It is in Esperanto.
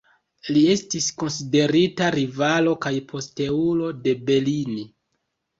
Li estis konsiderita rivalo kaj posteulo de Bellini.